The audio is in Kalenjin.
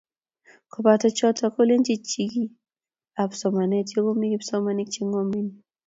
Koboto choto, kolenii chikilii ab somanee yokomii kipsomaninik che ng'omen.